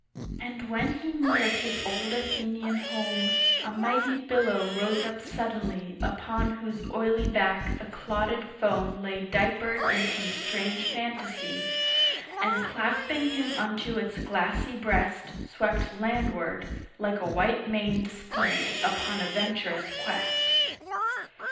And when he neared his old Athenian home, A mighty billow rose up suddenly Upon whose oily back the clotted foam Lay diapered in some strange fantasy, And clasping him unto its glassy breast Swept landward, like a white maned steed upon a venturous quest!